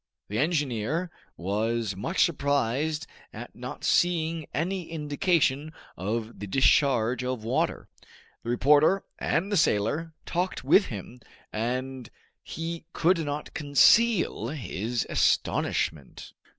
The engineer was much surprised at not seeing any indication of the discharge of water. The reporter and the sailor talked with him, and he could not conceal his astonishment.